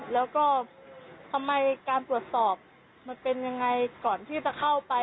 แล้วก็ทำไมการตรวจสอบมันเป็นยังไงก่อนที่จะเข้าไป